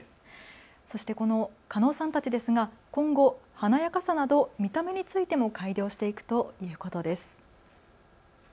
そしてこの狩野さんたちですが今後華やかさなど見た目についても改良していくということです。